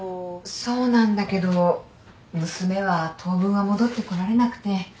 そうなんだけど娘は当分は戻ってこられなくて。